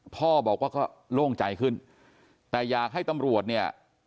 พ่อบอกว่าก็โล่งใจขึ้นแต่อยากให้ตำรวจเนี่ย